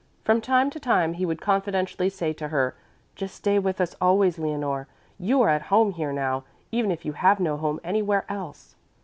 From time to time he would confidentially say to her: "Just stay with us always, Leonore. You are at home here now, even if you have no home anywhere else."